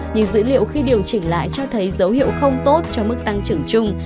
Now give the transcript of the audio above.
nhưng dữ liệu khi điều chỉnh lại cho thấy dấu hiệu không tốt cho mức tăng trưởng chung